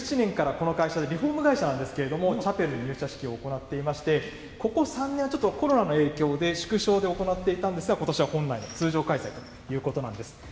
２０１７年からこの会社、リフォーム会社なんですけれども、チャペルで入社式を行っていまして、ここ３年はちょっとコロナの影響で縮小で行っていたんですが、ことしは本来のように通常開催ということなんです。